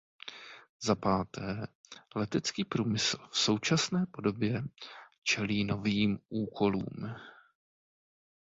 Zapáté, letecký průmysl v současné době čelí novým úkolům.